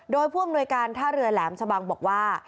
โดยผู้อำนวยการท่าเรือแหลมชะบังบอกว่า